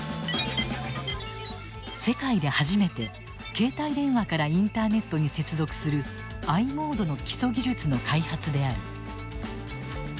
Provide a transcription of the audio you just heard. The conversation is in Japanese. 世界で初めて携帯電話からインターネットに接続するｉモードの基礎技術の開発である。